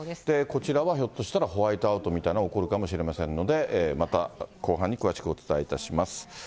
こちらはひょっとしたらホワイトアウトみたいのが起こるかもしれませんので、また後半に詳しくお伝えいたします。